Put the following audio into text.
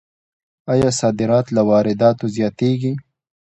آیا صادرات له وارداتو زیاتیږي؟